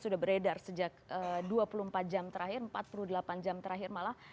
sudah beredar sejak dua puluh empat jam terakhir empat puluh delapan jam terakhir malah